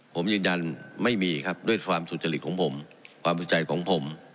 ผมยืนยันไม่มีครับด้วยความสุจริตของผมความสุจัยของผม